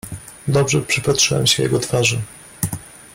"Dobrze przypatrzyłem się jego twarzy."